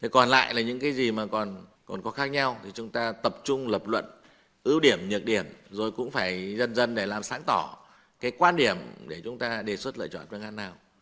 còn lại là những cái gì mà còn có khác nhau thì chúng ta tập trung lập luận ưu điểm nhược điểm rồi cũng phải dần dần để làm sáng tỏ cái quan điểm để chúng ta đề xuất lựa chọn phương án nào